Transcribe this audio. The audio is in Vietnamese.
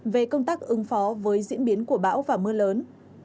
về công tác ứng phó với diễn biến của bão và mưa lớn